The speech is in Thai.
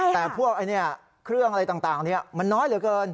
แต่พวกเครื่องอะไรต่างมันน้อยเหลือเกิน